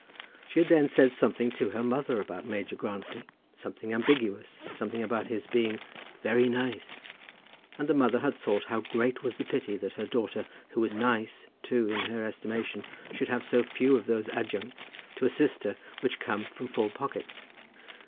She had then said something to her mother about Major Grantly, something ambiguous, something about his being "very nice," and the mother had thought how great was the pity that her daughter, who was "nice" too in her estimation, should have so few of those adjuncts to assist her which come from full pockets.